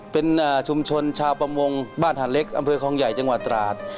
เป็นชุมชนชาวประมงบ้านหาดเล็กอำเภอคลองใหญ่จังหวัดตราด